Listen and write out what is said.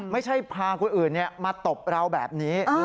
พาคนอื่นมาตบเราแบบนี้